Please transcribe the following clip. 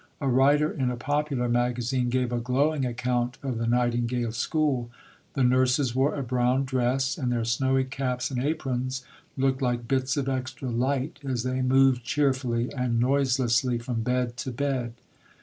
A writer in a popular magazine gave a glowing account of the Nightingale School. "The nurses wore a brown dress, and their snowy caps and aprons looked like bits of extra light as they moved cheerfully and noiselessly from bed to bed."